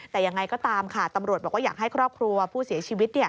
แต่ยังไงก็ตามค่ะตำรวจบอกว่าอยากให้ครอบครัวผู้เสียชีวิต